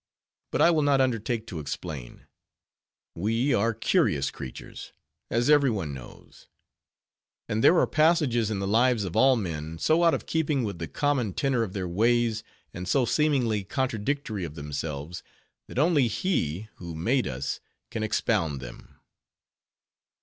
But I will not undertake to explain; we are curious creatures, as every one knows; and there are passages in the lives of all men, so out of keeping with the common tenor of their ways, and so seemingly contradictory of themselves, that only He who made us can expound them.